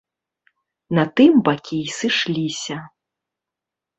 На тым бакі і сышліся.